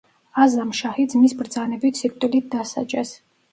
აზამ შაჰი ძმის ბრძანებით სიკვდილით დასაჯეს.